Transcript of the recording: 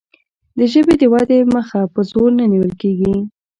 د ژبې د ودې مخه په زور نه نیول کیږي.